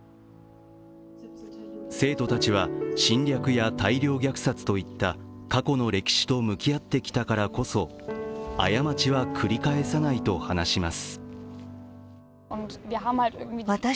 生徒たちは、侵略や大量虐殺といった過去の歴史と向き合ってきたからこそ過ちは繰り返さないと話します。